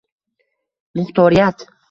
Muxtoriyat